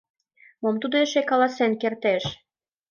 Мом тудо эше каласен кертеш?